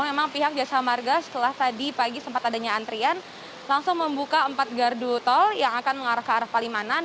memang pihak jasa marga setelah tadi pagi sempat adanya antrian langsung membuka empat gardu tol yang akan mengarah ke arah palimanan